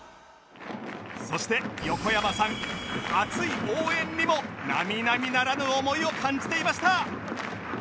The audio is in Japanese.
そして横山さん熱い応援にも並々ならぬ思いを感じていました